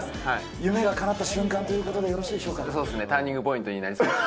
夢がかなった瞬間ということでよそうっすね、ターニングポイントになりそうです。